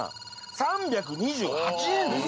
３２８円です。